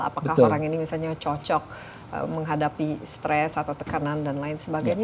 apakah orang ini misalnya cocok menghadapi stres atau tekanan dan lain sebagainya